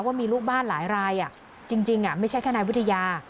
ว่ามีลูกบ้านหลายรายจริงไม่ใช่แค่นายวิทยา